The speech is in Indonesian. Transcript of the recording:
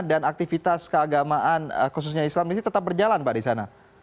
dan aktivitas keagamaan khususnya islam ini tetap berjalan pak di sana